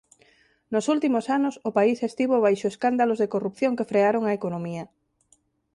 Nos últimos anos o país estivo baixo escándalos de corrupción que frearon á economía.